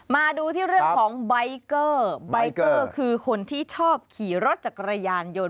มาดูที่เรื่องของใบเกอร์ใบเกอร์คือคนที่ชอบขี่รถจักรยานยนต์